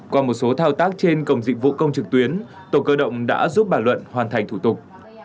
qua một số thao tác trên cổng dịch vụ công trực tuyến tổ cơ động đã giúp bà luận hoàn thành thủ tục